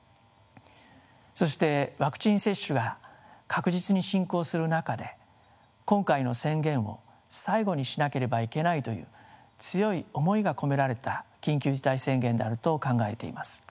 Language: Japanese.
そしてワクチン接種が確実に進行する中で今回の宣言を最後にしなければいけないという強い思いが込められた緊急事態宣言であると考えています。